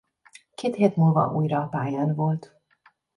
Két hét múlva újra a pályán volt.